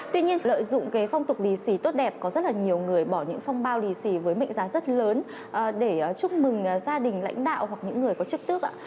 tuy nhiên lợi dụng phong tục lì xì tốt đẹp có rất nhiều người bỏ những phong bao lì xì với mệnh giá rất lớn để chúc mừng gia đình lãnh đạo hoặc những người có trực tước